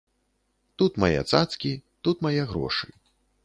Тут мае цацкі, тут мае грошы.